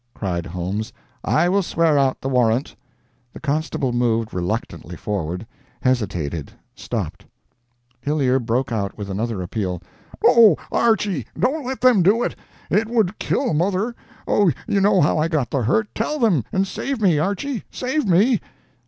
cried Holmes. "I will swear out the warrant." The constable moved reluctantly forward hesitated stopped. Hillyer broke out with another appeal. "Oh, Archy, don't let them do it; it would kill mother! You know how I got the hurt. Tell them, and save me, Archy; save me!"